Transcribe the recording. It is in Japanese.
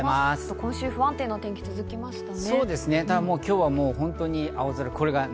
今週、不安定な天気が続きましたね。